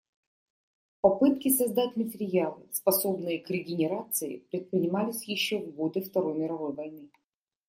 Попытки создать материалы, способные к регенерации, предпринимались ещё в годы Второй мировой войны.